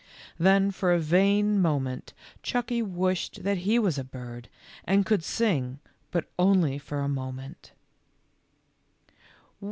Then for a vain moment Chucky wished that he was a bird, and could sing, but only for a moment.